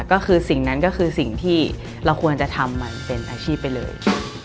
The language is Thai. ก็คือสิ่งนั้นก็คือสิ่งที่เราควรจะทำมันเป็นอาชีพไปเลย